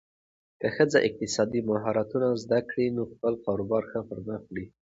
که ښځه اقتصادي مهارتونه زده کړي، نو خپل کاروبار ښه پرمخ وړي.